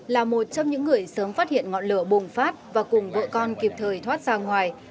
là một trong những người sớm phát hiện ngọn lửa bùng phát và cùng vợ con kịp thời thoát ra ngoài